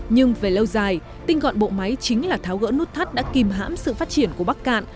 nhưng về lâu dài tinh gọn bộ máy chính là tháo gỡ nút thắt đã kìm hãm sự phát triển của bắc cạn